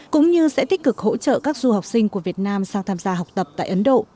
cũng như sẽ tích cực hỗ trợ các du học sinh của việt nam sang tham gia học tập tại ấn độ